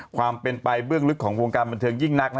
ความเป็นไปเบื้องลึกของวงการบันเทิงยิ่งนัก